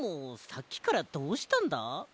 さっきからどうしたんだ？